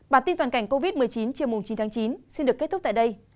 bản tin toàn cảnh covid một mươi chín chiều chín tháng chín xin được kết thúc tại đây